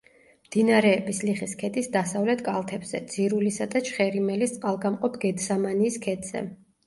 მდინარეების ლიხის ქედის დასავლეთ კალთებზე, ძირულისა და ჩხერიმელის წყალგამყოფ გედსამანიის ქედზე.